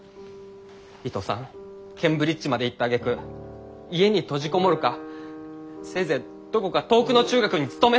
伊藤さんケンブリッジまで行ったあげく家に閉じこもるかせいぜいどこか遠くの中学に勤めるか。